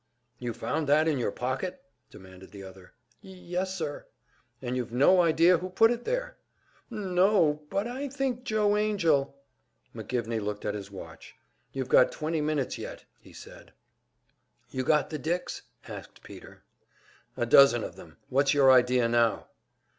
"You found that in your pocket?" demanded the other. "Y yes, sir." "And you've no idea who put it there." "N no, but I think Joe Angell " McGivney looked at his watch. "You've got twenty minutes yet," be said. "You got the dicks?" asked Peter. "A dozen of them. What's your idea now?"